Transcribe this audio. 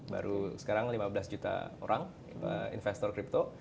baru sekarang lima belas juta orang investor crypto